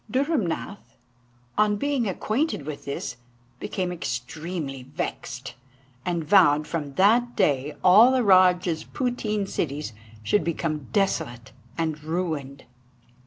Dhurrumnath, on being acquainted with this, became extremely vexed, and vowed that from that day all the rajah's putteen cities should become desolate and ruined.